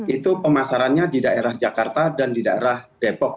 itu pemasarannya di daerah jakarta dan di daerah depok